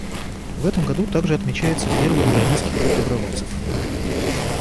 В этом году также отмечается первый Европейский год добровольцев.